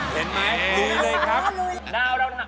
เห็นไหมลุยเลยครับ